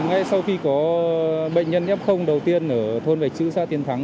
ngay sau khi có bệnh nhân f đầu tiên ở thôn vạch chữ xã tiền thắng